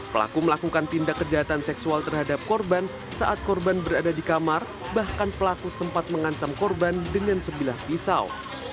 pelaku melakukan tindak kejahatan seksual terhadap korban saat korban berada di kamar bahkan pelaku sempat mengancam korban dengan sebilah pisau